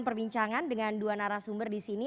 perbincangan dengan dua narasumber di sini